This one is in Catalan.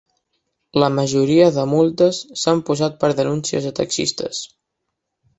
La majoria de multes s'han posat per denúncies de taxistes